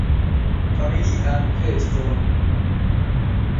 Familian feston!